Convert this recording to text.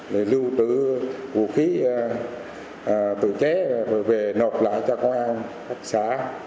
để lưu trữ vũ khí tự chế rồi về nộp lại cho công an các xã